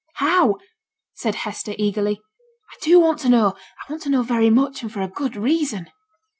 'How?' said Hester, eagerly. 'I do want to know. I want to know very much, and for a good reason.'